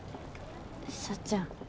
幸ちゃん